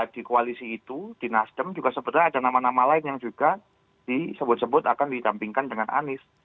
di koalisi itu di nasdem juga sebetulnya ada nama nama lain yang juga disebut sebut akan didampingkan dengan anies